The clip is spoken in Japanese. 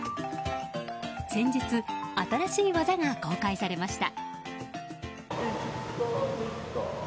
先日、新しい技が公開されました。